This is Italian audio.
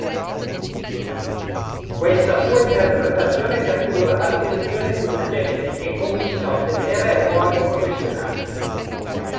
Questa sua interpretazione cattura l'attenzione di un agente e comincia ad ottenere ruoli professionali.